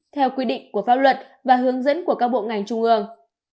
theo quy định của pháp luật và hướng dẫn của các bộ ngành trung ương